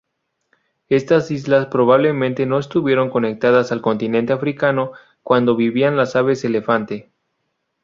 Estas islas probablemente no estuvieron conectadas al continente africano cuando vivían las aves elefante.